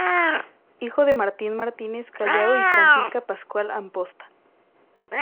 Hijo de Martín Martínez Callao y Francisca Pascual Amposta.